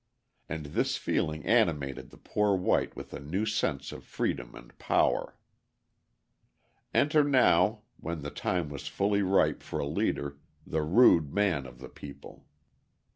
And this feeling animated the poor white with a new sense of freedom and power. Enter now, when the time was fully ripe for a leader, the rude man of the people.